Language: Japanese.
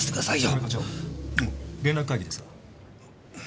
北村課長連絡会議ですが。